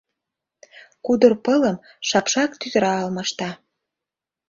Кудыр пылым шапшак тӱтыра алмашта.